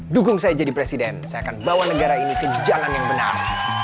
dukung saya jadi presiden saya akan bawa negara ini ke jalan yang benar